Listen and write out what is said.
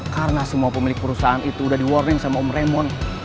karena semua pemilik perusahaan itu udah di warning sama om raymond